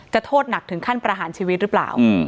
โทษหนักถึงขั้นประหารชีวิตหรือเปล่า